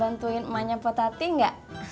rumahnya potati enggak